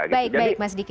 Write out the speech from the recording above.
baik baik mas diki